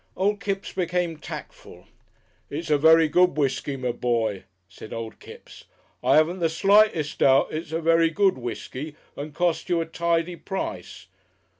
Old Kipps became tactful. "It's a very good whiskey, my boy," said old Kipps. "I 'aven't the slightest doubt it's a very good whiskey and cost you a tidy price.